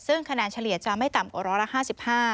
ซึ่งคะแนนเฉลี่ยจะไม่ต่ำกว่าร้อยละ๕๕